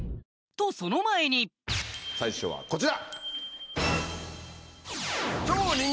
とその前に最初はこちら！